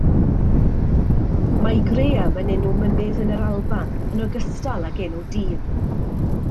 Mae Graham yn enw mynydd yn yr Alban yn ogystal ag enw dyn.